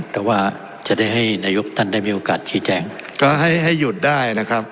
แต่ว่าจะได้ให้นายกท่านได้มีโอกาสชี้แจงก็ให้ให้หยุดได้นะครับ